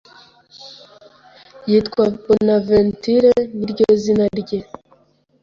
yitwa Bonaventure niryo zina rye